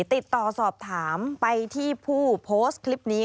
ติดต่อสอบถามไปที่ผู้โพสต์คลิปนี้